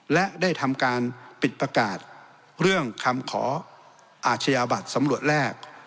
และได้ทำการปิดประกาศเรื่องคำขออาชญาบัตรสำรวจแรก